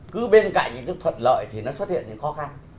cứ bên cạnh những cái thuận lợi thì nó xuất hiện những khó khăn